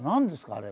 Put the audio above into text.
あれ。